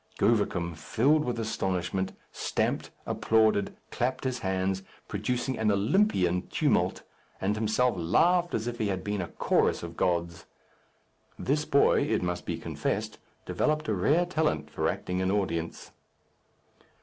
Govicum, filled with astonishment, stamped, applauded, clapped his hands, producing an Olympian tumult, and himself laughed as if he had been a chorus of gods. This boy, it must be confessed, developed a rare talent for acting an audience.